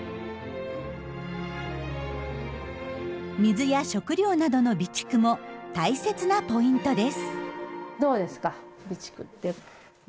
水や食料などの備蓄も大切なポイントです。